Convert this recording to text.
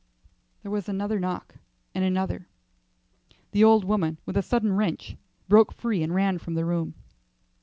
There was another knock, and another. The old woman with a sudden wrench broke free and ran from the room.